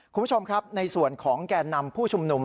คุณผู้ชมครับในส่วนของแก่นำผู้ชุมนุม